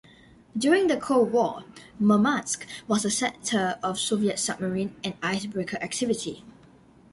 During the Cold War Murmansk was a center of Soviet submarine and icebreaker activity.